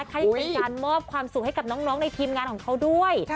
ถ้ายังเป็นการมอบความสุขให้กับน้องในทีมงานของเขาด้วย